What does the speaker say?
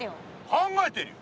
考えてるよ！